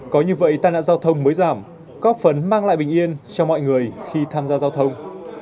có như vậy tai nạn giao thông mới giảm có phần mang lại bình yên cho mọi người khi tham gia giao thông